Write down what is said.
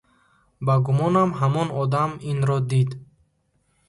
Ба гумонам ҳамон одам инро дид.